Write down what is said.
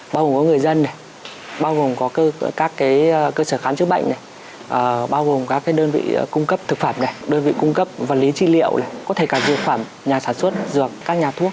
bao gồm có người dân này bao gồm có các cái cơ sở khán chức bệnh này bao gồm các cái đơn vị cung cấp thực phẩm này đơn vị cung cấp văn lý trị liệu này có thể cả dược phẩm nhà sản xuất dược các nhà thuốc